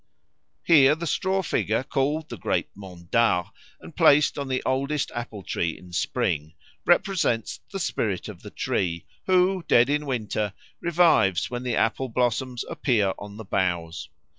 _" Here the straw figure, called "the great mondard" and placed on the oldest apple tree in spring, represents the spirit of the tree, who, dead in winter, revives when the apple blossoms appear on the boughs.